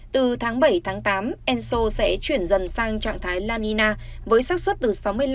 từ tháng bảy tám enso sẽ chuyển dần sang trạng thái la nina với sát xuất từ sáu mươi năm bảy mươi năm